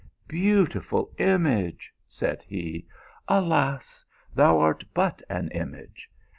" Beautiful image !" said he. " Alas, thou art but an image.